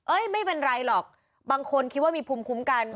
ไม่เป็นไรหรอกบางคนคิดว่ามีภูมิคุ้มกัน